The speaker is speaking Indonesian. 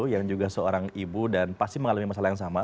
yang juga seorang ibu dan pasti mengalami masalah yang sama